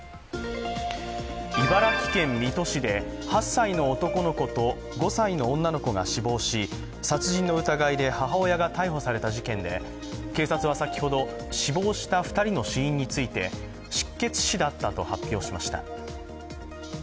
茨城県水戸市で８歳の男の子と５歳の女の子が死亡し、殺人の疑いで母親が逮捕された事件で、警察は先ほど、死亡した２人の死因について、失血死だったと発表しました。